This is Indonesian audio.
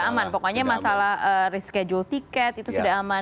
aman pokoknya masalah reschedule tiket itu sudah aman